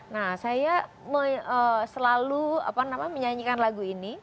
nah saya selalu menyanyikan lagu ini